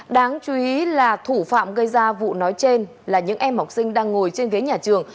đáng chú ý là thủ phạm gây ra vụ nói trên là những em học sinh đang ngồi trên ghế nhà trường